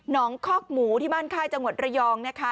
งคอกหมูที่บ้านค่ายจังหวัดระยองนะคะ